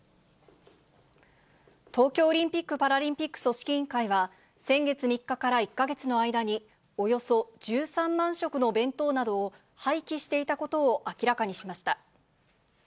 東京オリンピック・パラリンピック組織委員会は、先月３日から１か月の間に、およそ１３万食の弁当などを廃棄していたことを明らかにしました。